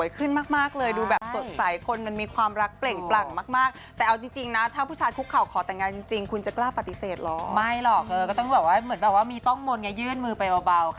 อย่างนั้นมากกว่าเพราะเขาแต่งงานแล้วไง